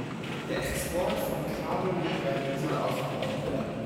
Der Export von Kabeln und Drähten soll ausgebaut werden.